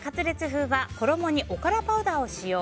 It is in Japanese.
風は衣におからパウダーを使用。